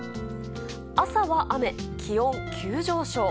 朝は雨、気温急上昇。